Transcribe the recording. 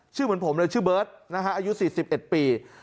เหมือนผมเลยชื่อเบิร์ตนะฮะอายุ๔๑ปี